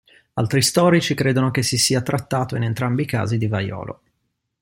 Altri storici credono che si sia trattato in entrambi i casi di vaiolo.